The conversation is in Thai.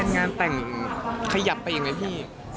งานแต่งขยับไปยังไงพี่